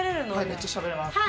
めっちゃしゃべれます。